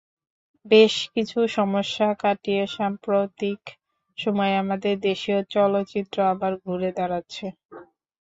বেশ কিছু সমস্যা কাটিয়ে সাম্প্রতিক সময়ে আমাদের দেশীয় চলচ্চিত্র আবার ঘুরে দাঁড়াচ্ছে।